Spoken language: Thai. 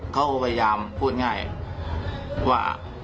เขาก็พยายามพูดง่ายว่า